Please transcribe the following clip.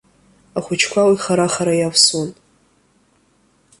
Ахәыҷқәа уи хара-хара иавсуан.